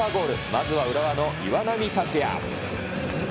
まずは浦和の岩波拓也。